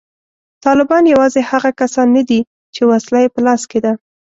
طالبان یوازې هغه کسان نه دي چې وسله یې په لاس کې ده